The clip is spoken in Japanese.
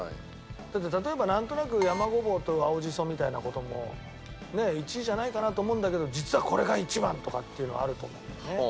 だって例えばなんとなく山ごぼうと青じそみたいな事も１位じゃないかなと思うんだけど実はこれが一番とかっていうのあると思うんだよね。